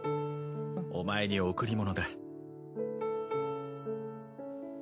お前に贈り物だ。